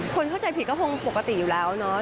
คนเข้าใจผิดก็คงปกติอยู่แล้วเนาะ